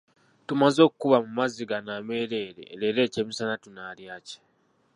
Tumaze okuba mu mazzi gano ameereere, leero eky'emisana tunaalya ki?